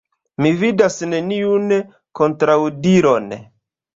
Mi vidas neniun kontraŭdiron.